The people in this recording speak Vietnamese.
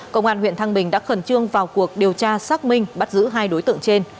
công an huyện thăng bình đã khẩn trương vào cuộc điều tra xác minh bắt giữ hai đối tượng trên